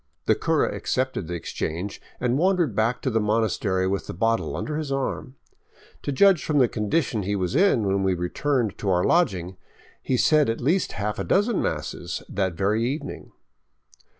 The cura accepted the exchange and wandered back to the monas tery with the bottle under his arm. To judge from the condition he was in when we returned to our lodging, he said at least a half dozen masses that very evening.